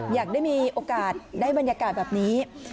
อยากได้มีโอกาสได้บรรยากาศแบบนี้